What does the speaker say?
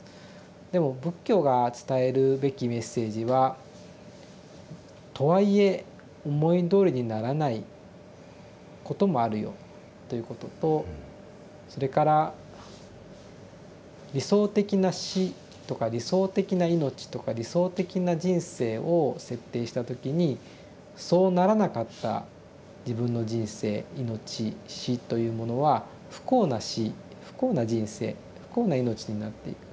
でも仏教が伝えるべきメッセージは「とはいえ思いどおりにならないこともあるよ」ということとそれから理想的な死とか理想的な命とか理想的な人生を設定した時にそうならなかった自分の人生命死というものは不幸な死不幸な人生不幸な命になっていく。